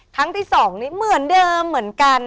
ครั้งที่๒นี้เหมือนเดิมเหมือนกัน